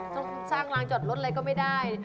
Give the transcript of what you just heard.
ต้องสร้างรางจอดรถอะไรก็ไม่ได้